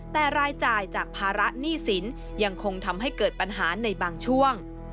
แต่รายจ่ายจากภาระหนี้สินยังคงทำให้เกิดปัญหาในบางช่วง